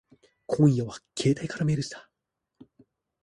今夜は携帯からメールした。